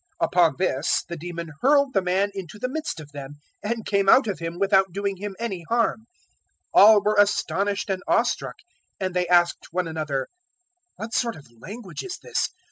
Upon this, the demon hurled the man into the midst of them, and came out of him without doing him any harm. 004:036 All were astonished and awe struck; and they asked one another, "What sort of language is this?